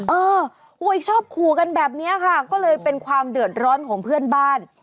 เออชอบขู่กันแบบนี้ค่ะก็เลยเป็นความเดือดร้อนของเพื่อนบ้าน